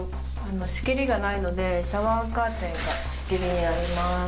仕切りがないのでシャワーカーテンが仕切りになります。